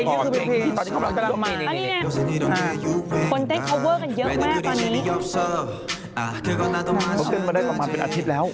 ผมก็เล่นเรื่องมาได้ประมาณเป็นสักอาทิตย์แล้ว